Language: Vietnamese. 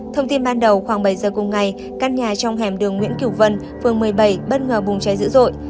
thông tin ban đầu khoảng bảy giờ cùng ngày căn nhà trong hẻm đường nguyễn cửu vân phường một mươi bảy bất ngờ bùng cháy dữ dội